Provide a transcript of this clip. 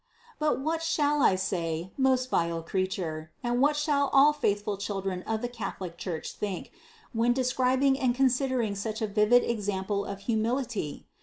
474. But what shall I, most vile creature, and what shall all faithful children of the Catholic Church think, when describing and considering such a vivid example of humility